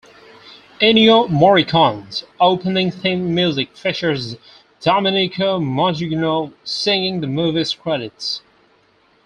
Ennio Morricone's opening theme music features Domenico Modugno singing the movie's credits.